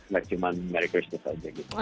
nggak cuman merry christmas aja gitu